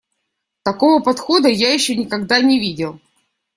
Такого подхода я ещё никогда не видел.